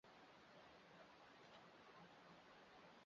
玩家可以驾驶货车运送货物穿梭欧洲大陆。